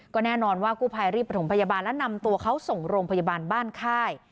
ก็แน่นอนว่ากู้ภัยรีบประถมพยาบาลและนำตัวเขาส่งโรงพยาบาลบ้านค่าย